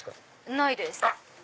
ないです。